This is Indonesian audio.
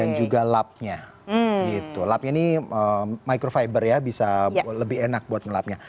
dan juga lapnya gitu lapnya ini microfiber ya bisa lebih enak buat ngelapnya